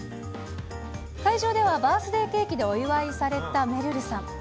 会場では、バースデーケーキでお祝いされためるるさん。